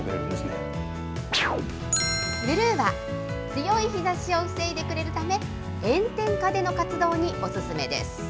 強い日ざしを防いでくれるため、炎天下での活動にお勧めです。